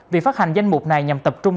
vì phát hành danh mục này nhằm tập trung